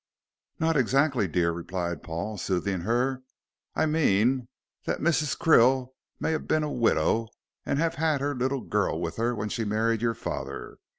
"Not exactly, dear," replied Paul, soothing her. "I mean that Mrs. Krill may have been a widow and have had her little girl with her when she married your father.